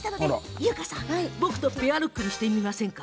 優香さん、僕とペアルックにしてみませんか？